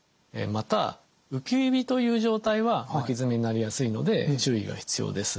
また浮き指という状態は巻き爪になりやすいので注意が必要です。